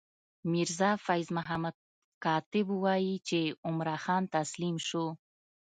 میرزا فیض محمد کاتب وايي چې عمرا خان تسلیم شو.